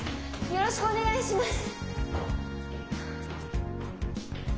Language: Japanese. よろしくお願いします！